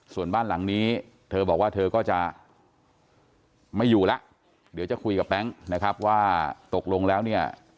ส่วนบ้านหลังนี้เธอบอกว่าเธอก็จะไม่อยู่แล้วเดี๋ยวจะคุยกับแบงค์นะครับว่าตกลงแล้วเนี่ย